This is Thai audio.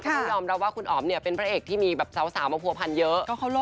เขายอมรับว่าคุณอ๋อมเนี่ยเป็นพระเอกที่มีแบบสาวมาภัวพันธ์เยอะเขาโล่หรอ